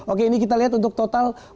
oke ini kita lihat untuk total jumlah penduduk